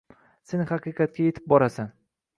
Sen haqiqatga yetib borasan…